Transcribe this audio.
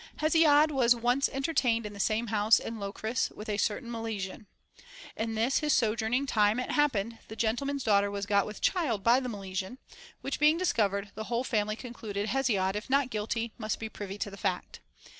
Hesiod was once entertained at the same house in Locris with a certain Milesian. In this his sojourning time it happened the gentleman's daughter was got with child by the Milesian ; which being discovered, the whole THE BANQUET OF THE SEVEN WISE MEN. 37 family concluded Hesiod, if not guilty, must be privy to the fact.